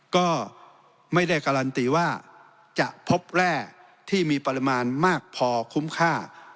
ก็ไม่ได้การันตีว่าจะพบแร่ที่มีปริมาณมากพอคุ้มค่า